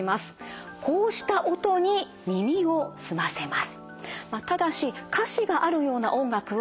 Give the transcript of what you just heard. こうした音に耳を澄ませます。